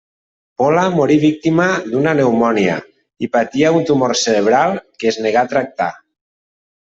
Pola morí víctima d'una pneumònia i patia un tumor cerebral que es negà a tractar.